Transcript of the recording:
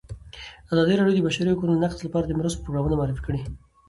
ازادي راډیو د د بشري حقونو نقض لپاره د مرستو پروګرامونه معرفي کړي.